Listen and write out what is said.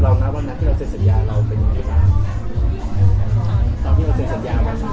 ตอนที่เราเสร็จสัญญาวันนี้